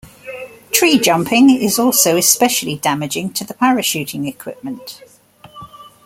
Treejumping is also especially damaging to the parachuting equipment.